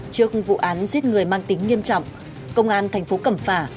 trước vụ án giết người mang tính nghiêm trọng công an thành phố cầm phà